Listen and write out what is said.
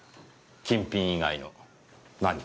金品以外の何かを。